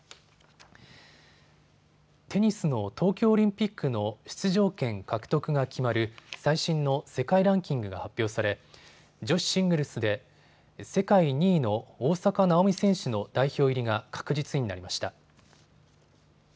テニスの東京オリンピックの出場権獲得が決まる最新の世界ランキングが発表され女子シングルスで世界２位の大坂なおみ選手の代表入りが確実になりました。